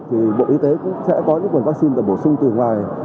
thì bộ y tế cũng sẽ có những nguồn vaccine để bổ sung từ ngoài